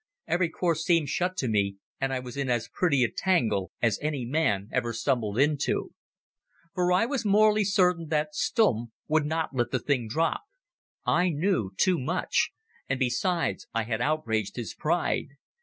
Every course seemed shut to me, and I was in as pretty a tangle as any man ever stumbled into. For I was morally certain that Stumm would not let the thing drop. I knew too much, and besides I had outraged his pride.